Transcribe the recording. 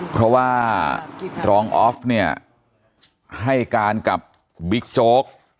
เพราะว่ารองออฟเนี่ยให้การกับบิ๊กโจ๊ก